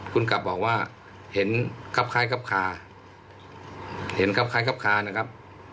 คุณกลับบอกว่าเห็นครับคล้ายครับคาเห็นครับคล้ายครับคานะครับ